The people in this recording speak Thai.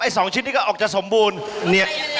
ไอ้๒ชิ้นนี้ก็ออกจะสมบูรณ์